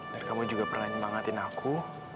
dan kamu juga pernah nyebangatin aku